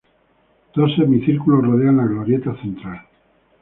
Dos semicírculos rodean la glorieta central.